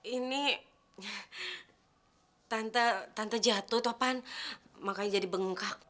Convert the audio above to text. ini tante jatuh topan makanya jadi bengkak